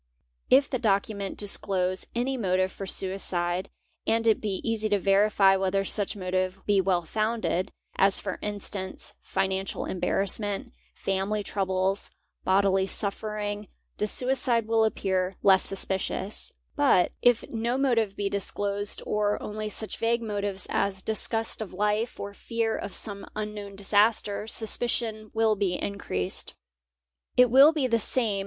If the document disclose any motive for suicide and it be easy to verify whether such motive be well founded, as for instance, financial embarassment, family troubles, bodily suffering, the suicide will appear less suspicious; but if no motive be disclosed or only 'such vague motives as disgust of life or fear of some unknown disaster, suspicion will be increased. It will be the same.